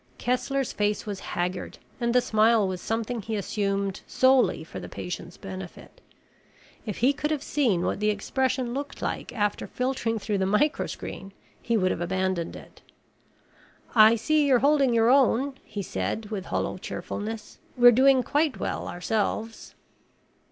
Kessler's face was haggard and the smile was something he assumed solely for the patient's benefit. If he could have seen what the expression looked like after filtering through the microscreen, he would have abandoned it. "I see you're holding your own," he said with hollow cheerfulness. "We're doing quite well ourselves."